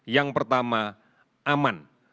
yang pertama aman